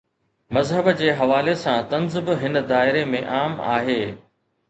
مذهب جي حوالي سان طنز به هن دائري ۾ عام آهي.